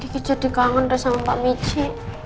kiki jadi kangen deh sama mbak mici